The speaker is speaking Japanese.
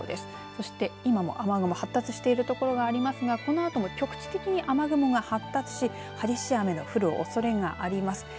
そして今も雨雲発達している所がありますがこのあとも局地的に雨雲が発達し激しい雨が降るおそれがあります。